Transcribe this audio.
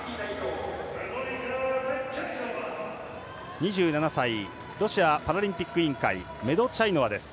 ２７歳ロシアパラリンピック委員会メドチャイノワです。